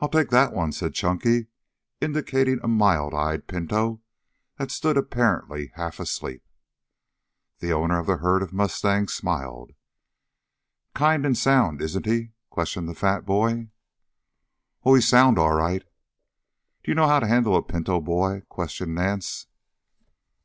"I'll take that one," said Chunky, indicating a mild eyed pinto that stood apparently half asleep. The owner of the herd of mustangs smiled. "Kind and sound, isn't he?" questioned the fat boy. "Oh, he's sound all right." "Do you know how to handle a pinto, boy?" questioned Nance.